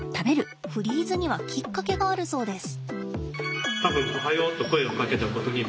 フリーズにはきっかけがあるそうです。